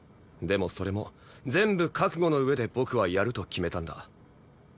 でもそれも全部覚悟の上で僕はやると決めたんだ。